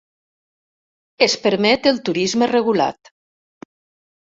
Es permet el turisme regulat.